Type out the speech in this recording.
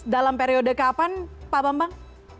dalam periode kapan pak bambang